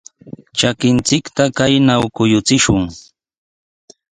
Trakinchikta kaynaw kuyuchishun.